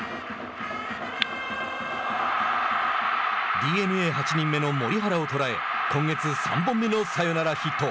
ＤｅＮＡ８人目の森原を捉え今月３本目のサヨナラヒット。